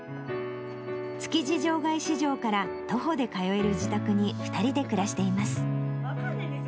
築地場外市場から徒歩で通える自宅に２人で暮らしています。